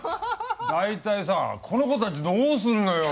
大体さこの子たちどうするのよ。